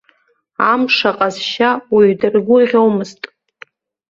Амш аҟазшьа уаҩ даргәырӷьомызт.